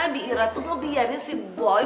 bira tuh mau biarin si boy